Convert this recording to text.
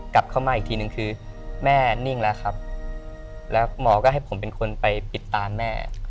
กลับเข้ามาอีกทีนึงคือแม่นิ่งแล้วครับแล้วหมอก็ให้ผมเป็นคนไปปิดตานแม่